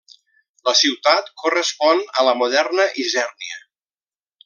La ciutat correspon a la moderna Isernia.